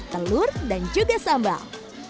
telur dan juga sambal